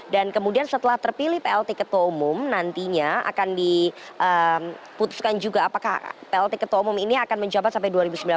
dan kemudian setelah terpilih plt ketua umum nantinya akan diputuskan juga apakah plt ketua umum ini akan menjabat sampai dua ribu sembilan belas